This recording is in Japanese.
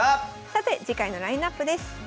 さて次回のラインナップです。